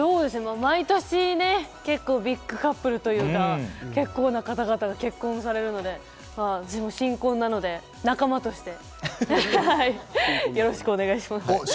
毎年、結構ビッグカップルというか、結構な方々が結婚されるので、うちも新婚なので、仲間として、よろしくお願いします。